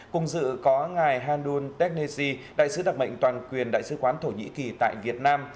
cùng dự có ngài handul tetnese đại sứ đặc mệnh toàn quyền đại sứ quán thổ nhĩ kỳ tại việt nam